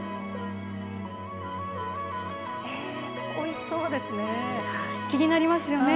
おいしそうですね。